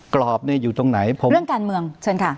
กรอบเนี่ยอยู่ตรงไหนผมเรื่องการเมืองเชิญค่ะ